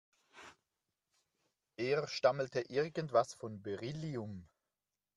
Er stammelte irgendwas von Beryllium.